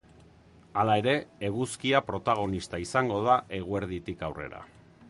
Hala ere, eguzkia protagonista izango da eguerditik aurrera.